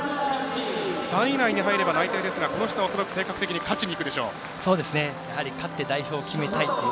３位以内に入れば内定ですが恐らく、この人は性格的に勝ちにいくでしょう。